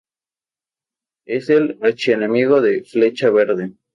Es el archienemigo de Flecha Verde.